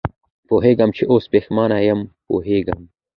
پوهېږم چې اوس پېښېمانه یې، پوهېږم.